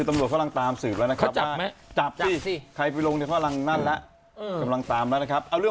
เอ้าโอเคแต่ยังไง